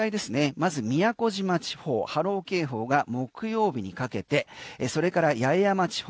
まず宮古島地方波浪警報が木曜日にかけてそれから八重山地方